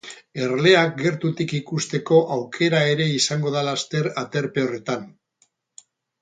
Erleak gertutik ikusteko aukera ere izango da laster aterpe horretan.